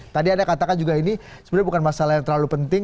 tadi anda katakan juga ini sebenarnya bukan masalah yang terlalu penting